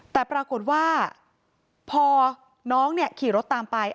แต่ปรากฏว่าพอน้องเนี่ยขี่รถตามไป